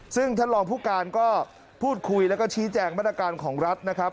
ซึ่งท่านรองผู้การก็พูดคุยแล้วก็ชี้แจงมาตรการของรัฐนะครับ